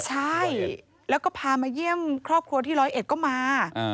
ใช่แล้วก็พามาเยี่ยมครอบครัวที่ร้อยเอ็ดก็มา